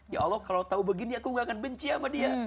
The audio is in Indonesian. ya allah kalau tahu begini aku gak akan benci sama dia